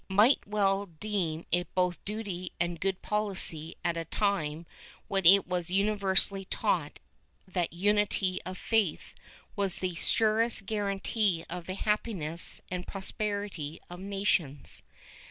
506 RETROSPECT [Book IX might well deem it both duty and good policy at a time when it was universally taught that unit}' of faith was the surest guarantee of the happiness and prosperity of nations.